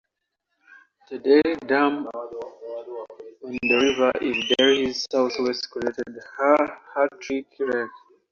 The Delhi Dam on the river in Delhi's southwest created Hartwick Lake.